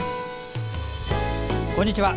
こんにちは。